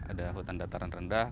ada hutan dataran rendah